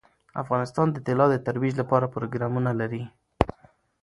افغانستان د طلا د ترویج لپاره پروګرامونه لري.